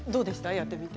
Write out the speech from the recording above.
やってみて。